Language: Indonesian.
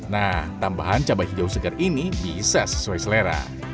nah tambahan cabai hijau segar ini bisa sesuai selera